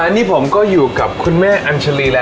นี่ผมก็อยู่กับคุณแม่เอาอยู่แหละครับ